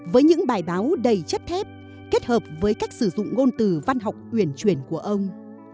với những bài báo đầy chất thép kết hợp với cách sử dụng ngôn từ văn học uyển truyền của ông